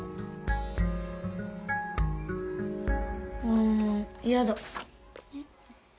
うんやだ。えっ？